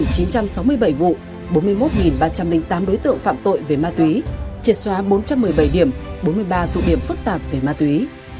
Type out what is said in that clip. trước bảy vụ bốn mươi một ba trăm linh tám đối tượng phạm tội về ma túy triệt xóa bốn trăm một mươi bảy điểm bốn mươi ba tụ điểm phức tạp về ma túy